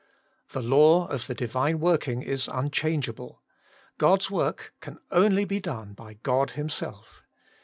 The law of the Divine working is un changeable: God's work can only be done by God Himself.